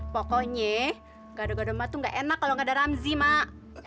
pokoknya gado gado mah itu nggak enak kalau nggak ada ramzi mak